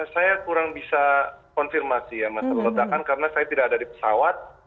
saya kurang bisa konfirmasi ya masalah ledakan karena saya tidak ada di pesawat